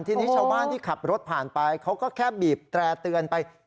ทีนี้ชาวบ้านที่ขับรถผ่านไปเขาก็แค่บีบแตร่เตือนไป